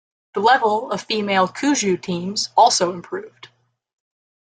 The level of female cuju teams also improved.